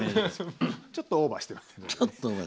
ちょっとオーバーしてますね。